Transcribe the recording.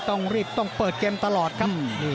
ต้องรีบต้องเปิดเกมตลอดครับ